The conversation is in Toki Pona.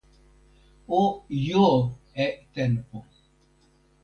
o jo e tenpo.